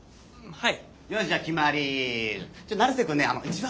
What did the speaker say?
はい。